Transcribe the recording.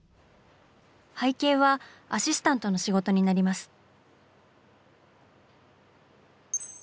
背景はアシスタントの仕事になります。